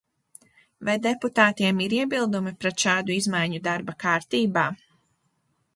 Vai deputātiem ir iebildumi pret šādu izmaiņu darba kārtībā?